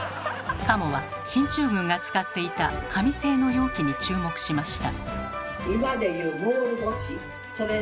加茂は進駐軍が使っていた紙製の容器に注目しました。